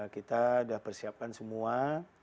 kita sudah persiapkan semua